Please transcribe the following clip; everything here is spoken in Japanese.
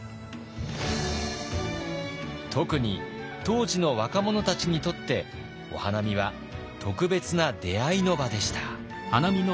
特に当時の若者たちにとってお花見は特別な出会いの場でした。